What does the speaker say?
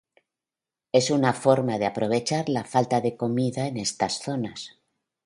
Es una forma de aprovechar la falta de comida en estas zonas.